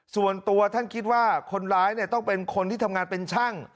ส่วนตัวท่านคิดว่าคนร้ายต้องเป็นคนที่ทำงานเป็นช่าง